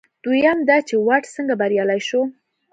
دویم دا چې واټ څنګه بریالی شو.